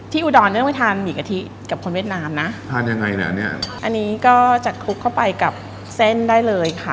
อุดรต้องไปทานหมี่กะทิกับคนเวียดนามนะทานยังไงเนี่ยอันนี้ก็จะคลุกเข้าไปกับเส้นได้เลยค่ะ